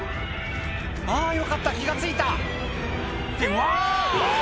あぁよかった気が付いたってわぁ！